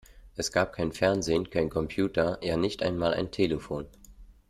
Es gab kein Fernsehen, keinen Computer, ja, nicht mal ein Telefon!